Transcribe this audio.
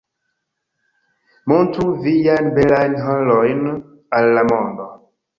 Montru viajn belajn harojn al la mondo